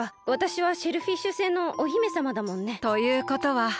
わたしはシェルフィッシュ星のお姫さまだもんね。ということは。